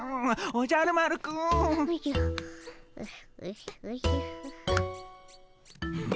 おじゃる丸くん。